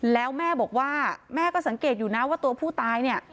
แล้วแม่บอกว่าแม่ก็สังเกตอยู่นะว่าตัวผู้ตายเนี่ย